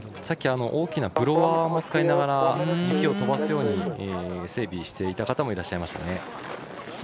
さっき、大きなブロワーも使いながら、雪を飛ばすように整備していた方もいらっしゃいましたね。